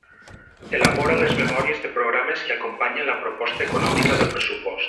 Elabora les memòries de programes que acompanyen la proposta econòmica del pressupost.